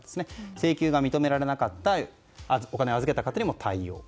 請求が認められなかったお金を預けた方にも対応と。